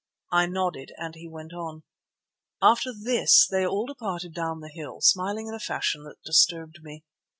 I nodded, and he went on: "After this they all departed down the hill, smiling in a fashion that disturbed me.